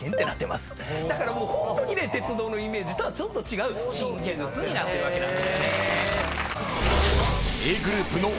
だからもうホントにね鉄道のイメージとはちょっと違う新技術になってるわけなんですね。